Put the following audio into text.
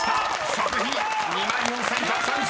「食費」２万４，１３０円］